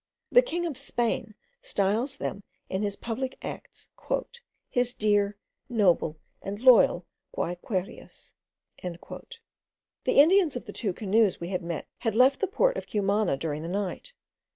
The king of Spain styles them in his public acts, "his dear, noble, and loyal Guayquerias." The Indians of the two canoes we had met had left the port of Cumana during the night.